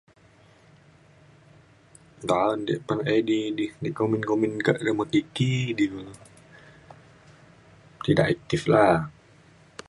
taun da peng edi di kumin kumin ka remot di ki di kulu. tidak aktif la.